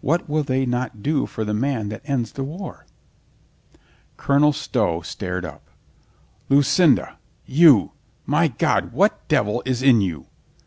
What will they not do for the man that ends the war ?" Colonel Stow started up. "Lucinda ! You ! My God, what devil is in you?